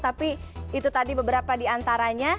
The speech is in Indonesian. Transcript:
tapi itu tadi beberapa di antaranya